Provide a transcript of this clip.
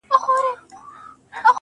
زارۍ.